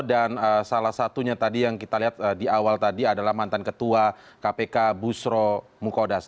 dan salah satunya tadi yang kita lihat di awal tadi adalah mantan ketua kpk busro mukodas